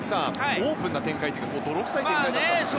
オープンな展開というか泥臭い展開でしたよね。